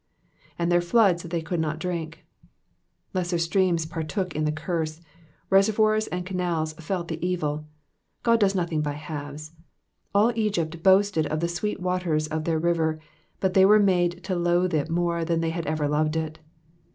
'^And their floods^ that they could not drink.'''* Lesser streams partook in the curse, reservoirs and canals felt the evil ; God does nothing by halves. All Egypt boasted of the sweet waters of their river, but they were made to loathe it more than they had ever loved it.